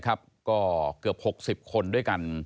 ก็เกือบ๖๐คนด้วยกัน